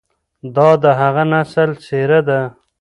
دا د هغه نسل څېره ده،